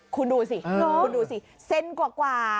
คุณดูสิเซ็นกว่า